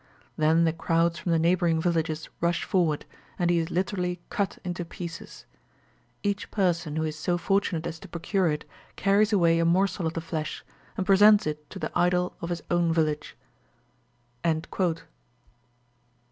Then the crowds from the neighbouring villages rush forward, and he is literally cut into pieces. Each person who is so fortunate as to procure it carries away a morsel of the flesh, and presents it to the idol of his own village."